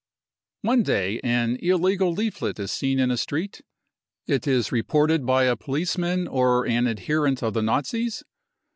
One day an illegal leaflet is seen in a street ; it is reported by a police man or an adherent of the Nazis.